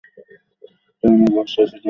কেননা বসরা ছিল গাসসানের রাজধানী।